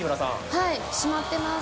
はいしまってます。